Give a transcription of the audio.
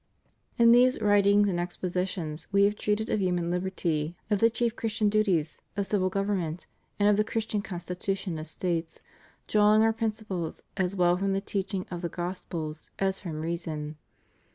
In these writings and expositions We have treated of human liberty, of the chief Christian duties, of civil government, and of the Christian constitu tion of States, drawing Our principles as well from the teaching of the Gospels as from reason.